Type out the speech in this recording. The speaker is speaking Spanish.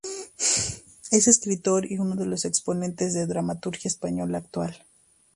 Es escritor y uno de los exponentes de la dramaturgia española actual.